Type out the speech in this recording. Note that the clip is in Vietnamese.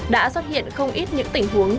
đã xuất hiện không ít những tình huống